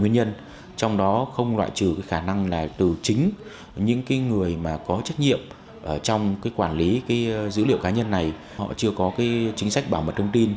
nguyên nhân trong đó không loại trừ khả năng là từ chính những người mà có trách nhiệm trong quản lý dữ liệu cá nhân này họ chưa có chính sách bảo mật thông tin